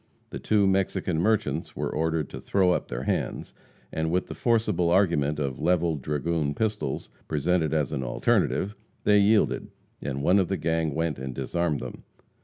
The two Mexican merchants were ordered to throw up their hands, and with the forcible argument of leveled dragoon pistols, presented as an alternative, they yielded, and one of the gang went and disarmed them.